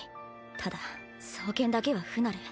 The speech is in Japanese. ただ双剣だけは不慣れ。